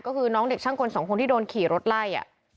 ก็คือน้องเด็กช่างกลสองคนที่โดนขี่รถไล่